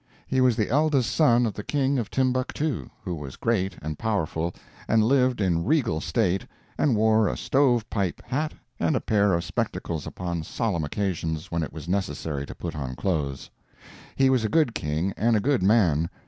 He was the eldest son of the King of Timbuctoo, who was great and powerful, and lived in regal state, and wore a stove pipe hat and a pair of spectacles upon solemn occasions when it was necessary to put on clothes. He was a good King and a good man.